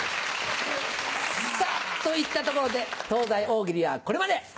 さぁといったところで「東西大喜利」はこれまで！